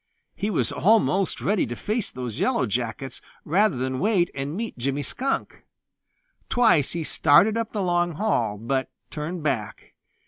He was almost ready to face those Yellow Jackets rather than wait and meet Jimmy Skunk. Twice he started up the long hall, but turned back.